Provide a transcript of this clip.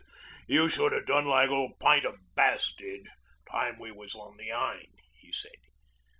'You should 'a' done like old Pint o' Bass did, time we was on the Aisne,' he said.